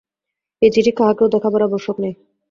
এই চিঠি কাহাকেও দেখাবার আবশ্যক নাই।